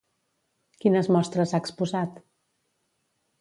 Quines mostres ha exposat?